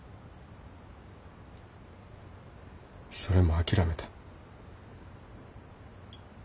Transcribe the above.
それも諦めた。